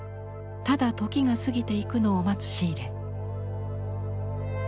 ただ時が過ぎていくのを待つシーレ。